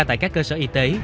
tại các cơ sở y tế